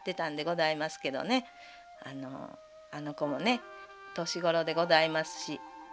あの子もね年頃でございますし。